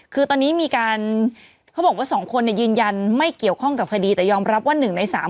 คือสองคนยืนยันไม่เกี่ยวข้องกับคดีนะเริ่มยอมรับว่า